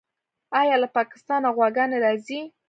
آیا له پاکستانه غواګانې راځي؟